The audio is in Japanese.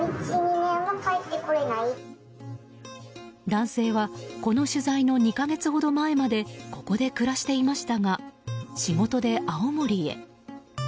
男性はこの取材の２か月ほど前までここで暮らしていましたが仕事で青森へ。